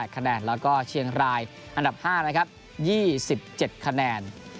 คะแนนแล้วก็เชียงรายอันดับ๕นะครับ๒๗คะแนน